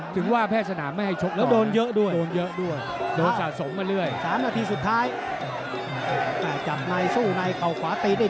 ขึ้นแพร่สนามไม่ให้ชกแล้วโดนเยอะด้วย